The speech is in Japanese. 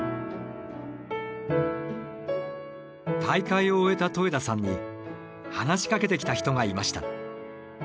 大会を終えた戸枝さんに話しかけてきた人がいました。